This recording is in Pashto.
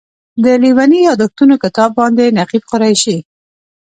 د لېوني یادښتونو کتاب باندې نقیب قریشي.